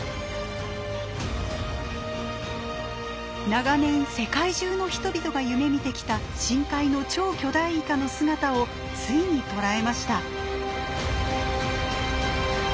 長年世界中の人々が夢みてきた深海の超巨大イカの姿をついに捉えました。